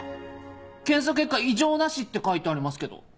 検査結果「異常なし」って書いてありますけど。